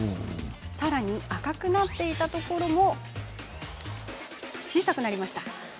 さらに、赤くなっていたところも小さくなりました。